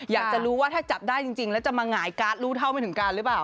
อยากจะรู้ว่าถ้าจับได้จริงแล้วจะมาหงายการ์ดรู้เท่าไม่ถึงการหรือเปล่า